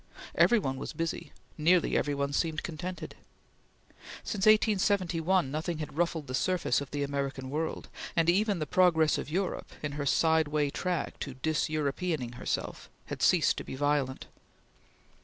Every one was busy; nearly every one seemed contented. Since 1871 nothing had ruffled the surface of the American world, and even the progress of Europe in her side way track to dis Europeaning herself had ceased to be violent.